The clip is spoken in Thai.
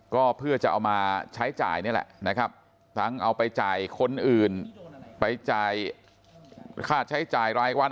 ก็เพื่อจะเอามาใช้จ่ายนี่แหละนะครับทั้งเอาไปจ่ายคนอื่นไปจ่ายค่าใช้จ่ายรายวัน